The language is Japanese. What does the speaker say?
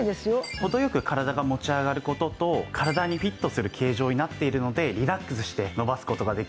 程よく体が持ち上がる事と体にフィットする形状になっているのでリラックスして伸ばす事ができるんです。